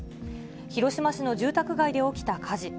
広島市の住宅街で起きた火事。